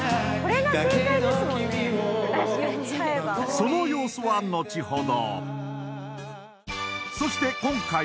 その様子は後ほど。